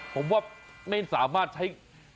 ผมว่าไม่สามารถใช้